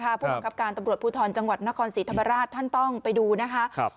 เพราะว่ากับการตำรวจภูทรจังหวัดนครศรีธรรมราชท่านต้องไปดูนะคะครับ